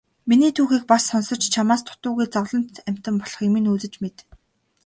Миний түүхийг бас сонсож чамаас дутуугүй зовлонт амьтан болохыг минь үзэж мэд.